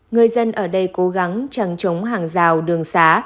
người dân ở đây cố gắng trăng trống hàng rào đường xá